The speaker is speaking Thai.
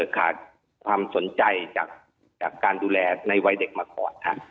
ขาดความสนใจจากการดูแลในวัยเด็กมาก่อนครับ